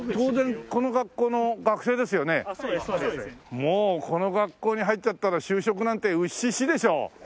もうこの学校に入っちゃったら就職なんてウッシッシでしょ？